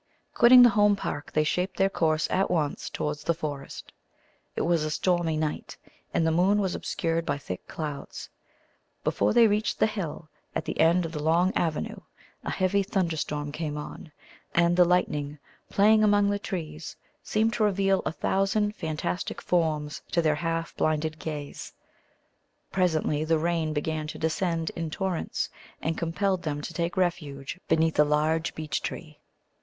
Quitting the Home Park, they shaped their course at once towards the forest. It was a stormy night, and the moon was obscured by thick clouds. Before they reached the hill, at the end of the long avenue, a heavy thunderstorm came on, and the lightning, playing among the trees, seemed to reveal a thousand fantastic forms to their half blinded gaze. Presently the rain began to descend in torrents, and compelled them to take refuge beneath a large beech tree.